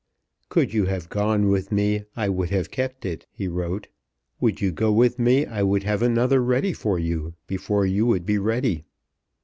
"Could you have gone with me, I would have kept it," he wrote. "Would you go with me I would have another ready for you, before you would be ready.